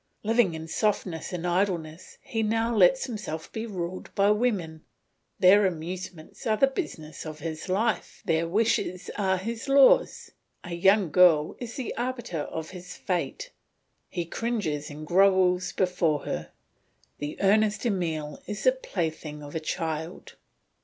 Living in softness and idleness he now lets himself be ruled by women; their amusements are the business of his life, their wishes are his laws; a young girl is the arbiter of his fate, he cringes and grovels before her; the earnest Emile is the plaything of a child.